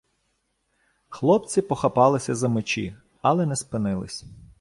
Хлопці похапалися за мечі, але не спинились.